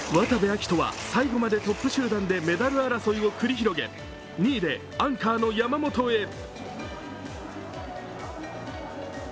渡部暁斗は最後までトップ集団でメダル争いを繰り広げ２位でアンカーの山本へ。